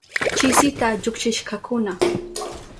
Chisita llukshishkakuna.